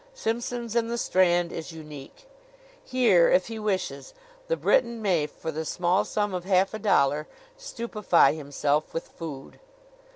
Simpson's, in the Strand, is unique. Here, if he wishes, the Briton may for the small sum of half a dollar stupefy himself with food.